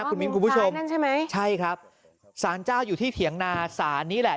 คุณมีมคุณผู้ชมใช่ไหมครับศาลเจ้าอยู่ที่เถียงนาศานี้แหละ